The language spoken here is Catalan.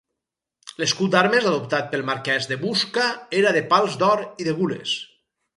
L'escut d'armes adoptat pel marquès de Busca era de pals d'or i de gules.